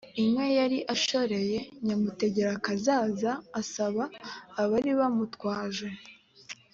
inka yari ashoreye nyamutegerakazaza asaba abari bamutwaje